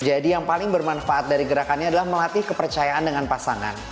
jadi yang paling bermanfaat dari gerakannya adalah melatih kepercayaan dengan pasangan